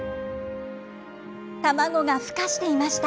卵がふ化していました。